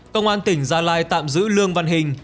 công an tỉnh gia lai tạm giữ lương văn hình